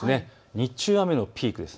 日中、雨のピークです。